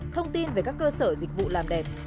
thông tin về các cơ sở dịch vụ làm đẹp